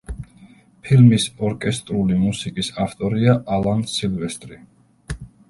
ფილმის ორკესტრული მუსიკის ავტორია ალან სილვესტრი.